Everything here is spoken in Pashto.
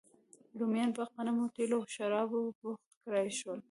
رومیان په غنمو، تېلو او شرابو بوخت کړای شول